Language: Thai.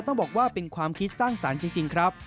ต้องบอกว่าเป็นความคิดสร้างสรรค์จริงครับ